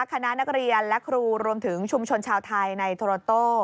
คณะนักเรียนและครูรวมถึงชุมชนชาวไทยในโทรโต้